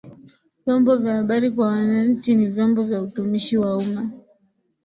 Vyombo vya habari kwa Wananchi ni Vyombo vya utumishi wa umma